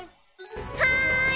はい！